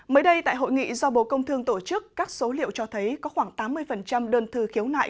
mới đây tại hội nghị do bộ công thương tổ chức các số liệu cho thấy có khoảng tám mươi đơn thư khiếu nại